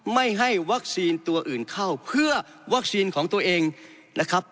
ไม่ให้วัคซีนตัวอื่นเข้าเพื่อวัคซีนของตัวเองนะครับ